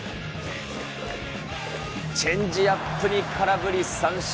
チェンジアップに空振り三振。